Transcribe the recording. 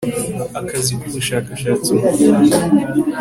akazi k ubashakashatsi mu rwanda